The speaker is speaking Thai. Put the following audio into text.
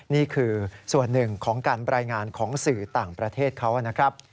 นี่คือส่วนหนึ่งของการรายงานของสื่อต่างประเทศเขานะครับ